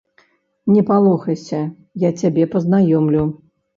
Не палохайся, я цябе пазнаёмлю.